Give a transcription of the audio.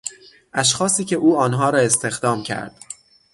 اشخاصی که او آنها را استخدام کرد